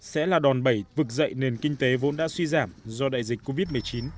sẽ là đòn bẩy vực dậy nền kinh tế vốn đã suy giảm do đại dịch covid một mươi chín